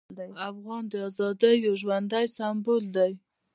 افغان د ازادۍ یو ژوندی سمبول دی.